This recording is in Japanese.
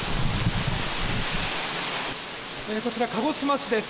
こちら、鹿児島市です。